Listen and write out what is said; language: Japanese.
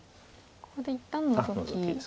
ここで一旦ノゾキ。